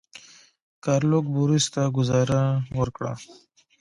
ګارلوک بوریس ته ګوزاره ورکړه.